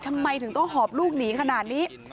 ทำไมถึงต้องหอบลูกหนีขนาดนี้